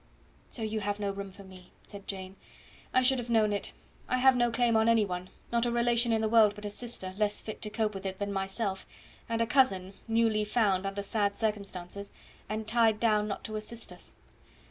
"So you have no room for me," said Jane. "I should have known it. I have no claim on any one, not a relation in the world but a sister, less fit to cope with it than myself, and a cousin, newly found under sad circumstances, and tied down not to assist us.